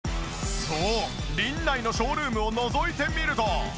そうリンナイのショールームをのぞいてみると。